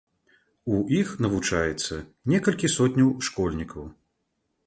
У іх навучаецца некалькі сотняў школьнікаў.